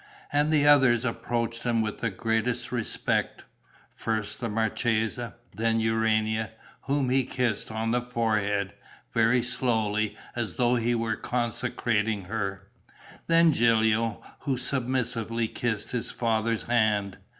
And the others approached him with the greatest respect: first the marchesa; then Urania, whom he kissed on the forehead, very slowly, as though he were consecrating her; then Gilio, who submissively kissed his father's hand.